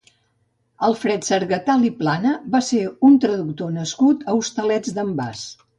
Alfred Sargatal i Plana va ser un traductor nascut als Hostalets d'en Bas.